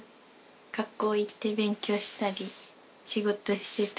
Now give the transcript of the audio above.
学校行って勉強したり仕事してたり。